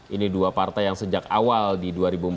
ini dua partai yang sejak awal di dua ribu empat belas